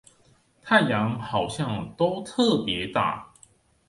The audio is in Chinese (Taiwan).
太陽好像都特別大